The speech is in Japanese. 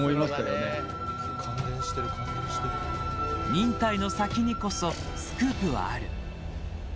忍耐の先にこそスクープはある。